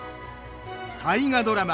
大河ドラマ